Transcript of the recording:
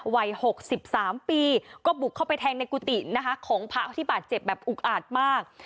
วัย๖๓ปีก็บุกเข้าไปแทงในกุฏินะคะของพระที่บาดเจ็บแบบอุกอาจมาก